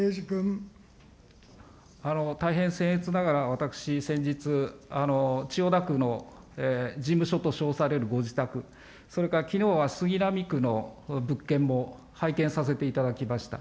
大変せんえつながら私、先日、千代田区の事務所と称されるご自宅、それからきのうは杉並区のこの物件も拝見させていただきました。